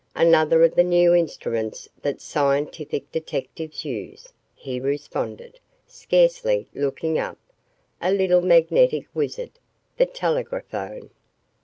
"Another of the new instruments that scientific detectives use," he responded, scarcely looking up, "a little magnetic wizard, the telegraphone."